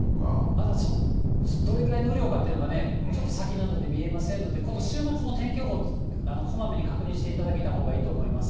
まだどれぐらいの雨量か、ちょっと先なので見えませんので、この週末も天気予報、こまめに確認していただいたほうがいいと思います。